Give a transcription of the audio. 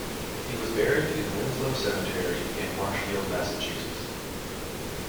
He was buried in Winslow Cemetery in Marshfield, Massachusetts.